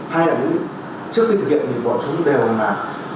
hai là trước khi thực hiện bọn chúng đều làm dài